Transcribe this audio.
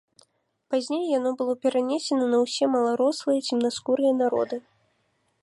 Пазней яно было перанесена на ўсе маларослыя цемнаскурыя народы.